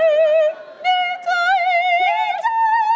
ดีใจดีใจ